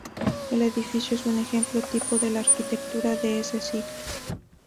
El edificio es un ejemplo tipo de la arquitectura de ese siglo.